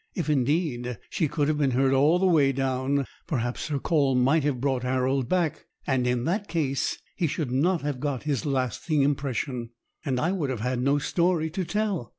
If, indeed, she could have been heard all the way down, perhaps her call might have brought Harold back; and in that case he should not have got his lasting impression, and I would have had no story to tell.